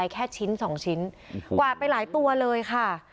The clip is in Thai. แล้วก็คว้าเอาไปเลยค่ะ